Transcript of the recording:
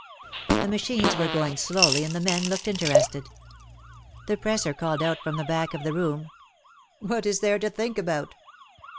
The machines were going slowly and the men looked interested. The presser called out from the back of the room : "What is there to think about?